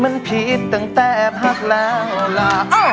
มันผิดตั้งแต่พักแล้วล่ะ